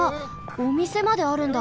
おみせまであるんだ。